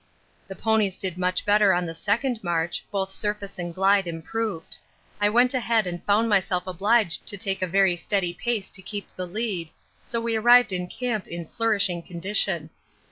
The ponies did much better on the second march, both surface and glide improved; I went ahead and found myself obliged to take a very steady pace to keep the lead, so we arrived in camp in flourishing condition.